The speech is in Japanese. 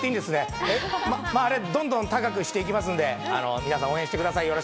どんどん高くしていきますので、皆さん応援してください。